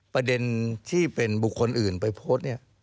ประเด็นที่เป็นบุคคลอื่นไปโพสต์เนี่ย